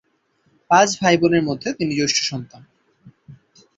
পাঁচ ভাই-বোনের মধ্যে তিনি জ্যেষ্ঠ সন্তান।